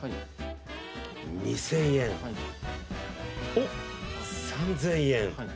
おっ３，０００円。